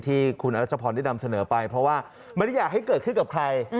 ที่คุณรัชพรได้นำเสนอไปเพราะว่าไม่ได้อยากให้เกิดขึ้นกับใคร